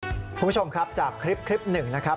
คุณผู้ชมครับจากคลิปหนึ่งนะครับ